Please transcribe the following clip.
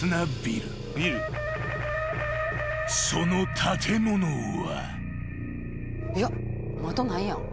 ［その建物は］